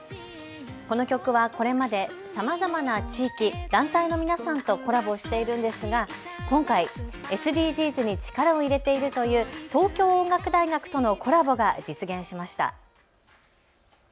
この曲はこれまでさまざまな地域、団体の皆さんとコラボしているんですが今回、ＳＤＧｓに力を入れているという東京音楽大学とのコラボが実現しました。